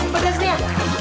pedes nih ya